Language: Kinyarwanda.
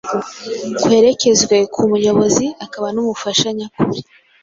kwerekezwe ku Muyobozi akaba n’Umufasha nyakuri!